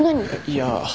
いや。